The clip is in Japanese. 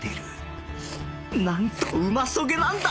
なんとうまそげなんだ！